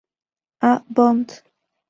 A. Bond.